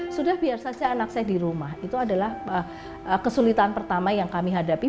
sudah biar saja anak saya di rumah itu adalah kesulitan pertama yang kami hadapi